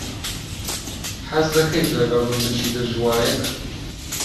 حەز دەکەیت لەگەڵ من بچیتە ژوانێک؟